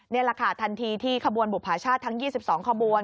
นี่แหละทันทีที่คบวลบุผ่าชาติทาง๒๒คบวล